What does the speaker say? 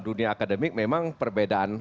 dunia akademik memang perbedaan